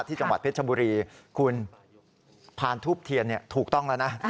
ที่จังหวัดเพชรบุรีคุณพานทูบเทียนถูกต้องแล้วนะ